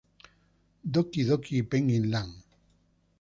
Doki Doki Penguin Land